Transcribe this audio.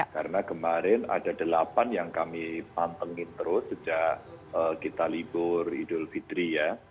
karena kemarin ada delapan yang kami pantengin terus sejak kita libur idul fitri ya